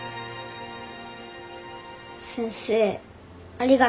先生ありがとう。